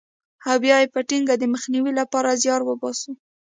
او بیا یې په ټینګه د مخنیوي لپاره زیار وباسو.